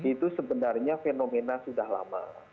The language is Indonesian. itu sebenarnya fenomena sudah lama